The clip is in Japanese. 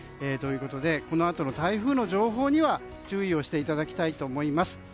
このあとの台風の状況には注意をしていただきたいと思います。